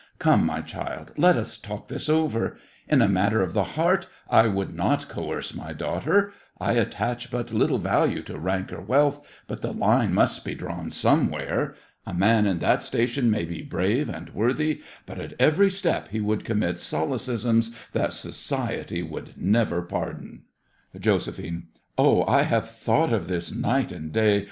Come, my child, let us talk this over. In a matter of the heart I would not coerce my daughter—I attach but little value to rank or wealth, but the line must be drawn somewhere. A man in that station may be brave and worthy, but at every step he would commit solecisms that society would never pardon. JOS. Oh, I have thought of this night and day.